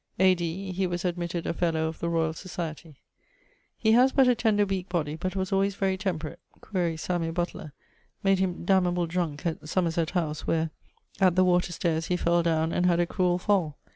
A.D. ... he was admitted a fellow of the Royall Societie. He haz but a tender weake body, but was alwayes very temperate. ... (quaere Samuel Butler) made him damnable drunke at Somerset house, where, at the water stayres, he fell downe, and had a cruell fall.